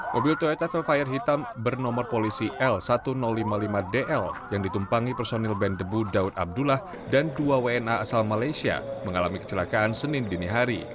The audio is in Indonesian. mobil toyota velfire hitam bernomor polisi l seribu lima puluh lima dl yang ditumpangi personil band debu daud abdullah dan dua wna asal malaysia mengalami kecelakaan senin dinihari